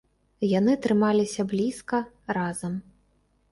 Яны трымаліся блізка, разам.